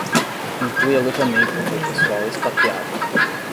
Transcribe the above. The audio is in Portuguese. Inclui alojamento de pessoal expatriado.